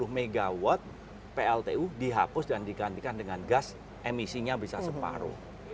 delapan ratus delapan puluh megawatt pltu dihapus dan digantikan dengan gas emisinya bisa separuh